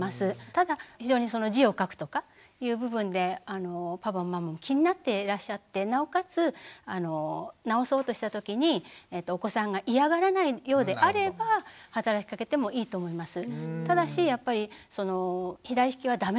ただ非常に字を書くとかいう部分でパパもママも気になっていらっしゃってなおかつ直そうとした時にお子さんが嫌がらないようであれば働きかけてもいいと思います。